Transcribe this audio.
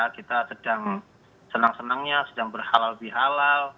kita sedang senang senangnya sedang berhalal bihalal